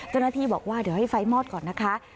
เจ้าหน้าที่บอกว่าเดี๋ยวให้ไฟมอดก่อนนะคะ